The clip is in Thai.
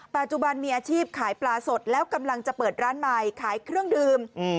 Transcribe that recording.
ปัจจุบันมีอาชีพขายปลาสดแล้วกำลังจะเปิดร้านใหม่ขายเครื่องดื่ม